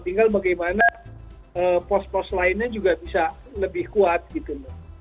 tinggal bagaimana pos pos lainnya juga bisa lebih kuat gitu loh